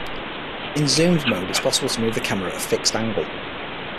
In zoomed mode is possible to move the camera at a fixed angle.